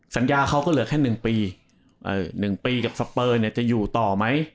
เขาก็เหลือแค่๑ปี๑ปีกับสเปอร์เนี่ยจะอยู่ต่อไหม